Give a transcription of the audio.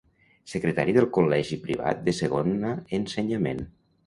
Secretari del Col·legi Privat de Segona Ensenyament.